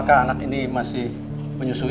apakah anak ini masih menyusui